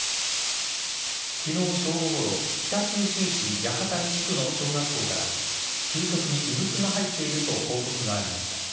昨日正午ごろ北九州市八幡西区の小学校から給食に異物が入っていると報告がありました。